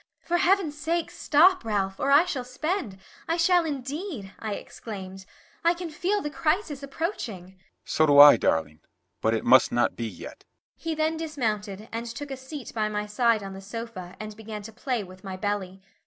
"For heaven's sake stop, Ralph, or I shall spend, I shall indeed," I exclaimed, "I can feel the crisis approaching." "So do I, darling, but it must not be yet." He then dismounted and took a seat by my side on the sofa and began to play with my belly.